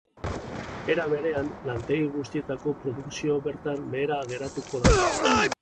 Era berean, lantegi guztietako produkzioa bertan behera geratuko da.